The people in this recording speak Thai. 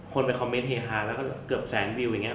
คนไปคอมเมนต์เฮฮาแล้วก็เกือบแสนวิวอย่างนี้